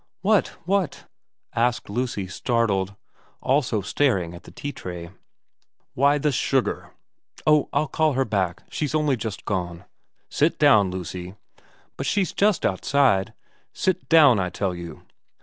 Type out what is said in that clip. ' What ? What ?' asked Lucy startled, also staring at the tea tray. ' Why, the sugar.* * Oh, I'll call her back she's only just gone '* Sit down, Lucy.' ' But she's just outside '' Sit down, I tell you.'